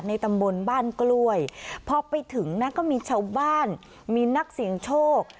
ตำบลบ้านกล้วยพอไปถึงนะก็มีชาวบ้านมีนักเสี่ยงโชค